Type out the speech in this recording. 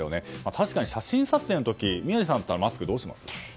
確かに写真撮影の時宮司さんだったらマスクどうしますか。